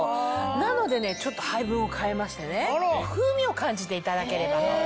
なのでねちょっと配分を変えましてね風味を感じていただければと。